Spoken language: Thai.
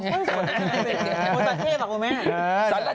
หมดประเทศหรอคุณแม่